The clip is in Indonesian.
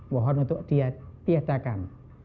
mohon untuk tiadakan